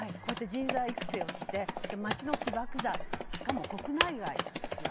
人材育成をして町の起爆剤、しかも国内外ですよ。